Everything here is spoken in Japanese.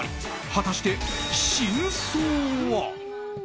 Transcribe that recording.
果たして真相は。